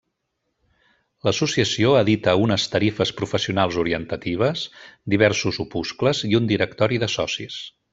L'Associació edita unes tarifes professionals orientatives, diversos opuscles i un directori de socis.